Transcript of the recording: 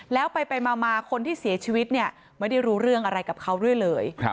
แล้วไปมาคนที่เสียชีวิตเนี่ยไม่ได้รู้เรื่องอะไรกับเขาด้วยเลย